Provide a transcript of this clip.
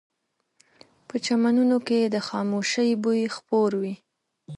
په چمنونو کې د خاموشۍ بوی خپور وي